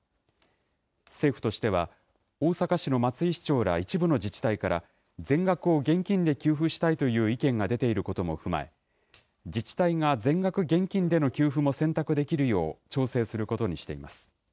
政府としては、大阪市の松井市長ら、一部の自治体から、全額を現金で給付したいという意見が出ていることも踏まえ、自治体が全額現金での給付も選択できるよう調整することにしています。